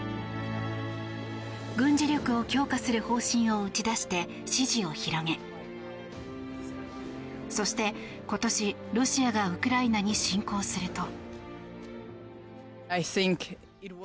軍事力を強化する方針を打ち出して支持を広げそして今年、ロシアがウクライナに侵攻すると。